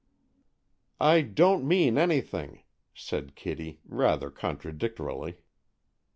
"I don't mean anything," said Kitty, rather contradictorily.